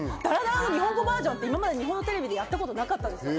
日本語バージョンって今まで日本テレビでやったことないんですよね。